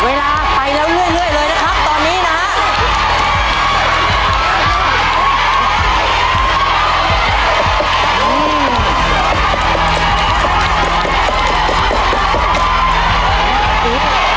เวลาไปแล้วเรื่อยเลยนะครับตอนนี้นะครับ